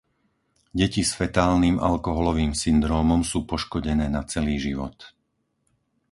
Deti s fetálnym alkoholovým syndrómom sú poškodené na celý život.